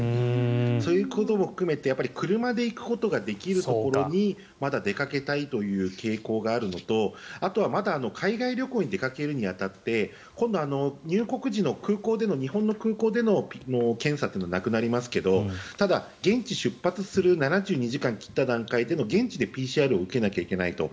そういうことも含めて車で行くことができるところにまだ出かけたいという傾向があるのとあとはまだ海外旅行に出かけるに当たって今度、入国時の日本の空港での検査というのがなくなりますけどただ、現地出発する７２時間切った段階での現地でＰＣＲを受けなきゃいけないと。